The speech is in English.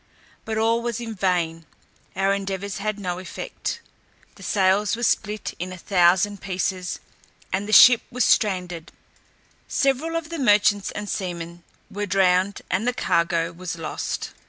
But all was in vain our endeavours had no effect; the sails were split in a thousand pieces, and the ship was stranded; several of the merchants and seamen were drowned and the cargo was lost.